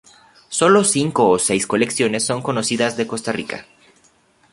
Sólo cinco o seis colecciones son conocidas de Costa Rica.